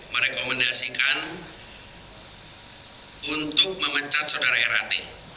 merekomendasikan untuk memecat saudara rat